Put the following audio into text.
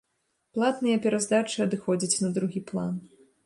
Платныя пераздачы адыходзяць на другі план.